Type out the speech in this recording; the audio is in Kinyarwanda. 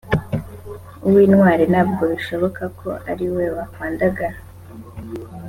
uw’intwari ntabwo bishoboka ko ari we wakwandagara